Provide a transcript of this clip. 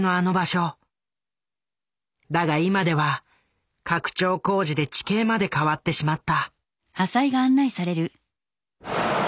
だが今では拡張工事で地形まで変わってしまった。